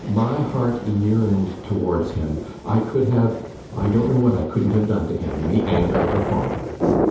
My heart yearned towards him. I could have I don't know what I couldn't have done to him in the anger of a father.